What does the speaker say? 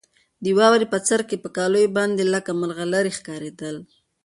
د واورې بڅرکي په کالیو باندې لکه ملغلرې ښکارېدل.